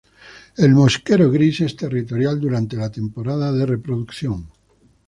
El mosquero gris es territorial durante la temporada de reproducción.